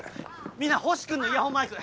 みんな星君のイヤホンマイク！